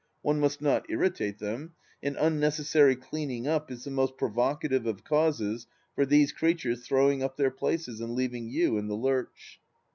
One must not irritate them, and unnecessary cleaning up is the most provocative of causes for these creatures throwing up their places and leaving you in the lurch.